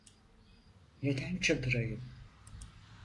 Neden çıldırayım…